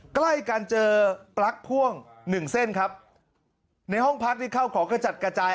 ใกล้กันเจอปลั๊กพ่วงหนึ่งเส้นครับในห้องพักที่เข้าของกระจัดกระจาย